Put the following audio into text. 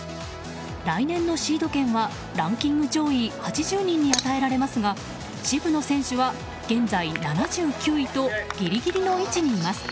来年のシード権はランキング上位８０人に与えられますが渋野選手は現在７９位とギリギリの位置にいます。